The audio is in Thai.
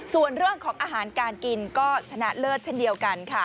ส่วนเรื่องของอาหารการกินก็ชนะเลิศเช่นเดียวกันค่ะ